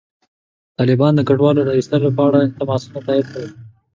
طالبانو د کډوالو د ایستلو په اړه تماسونه تایید کړل.